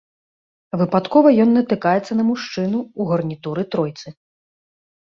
Выпадкова ён натыкаецца на мужчыну ў гарнітуры-тройцы.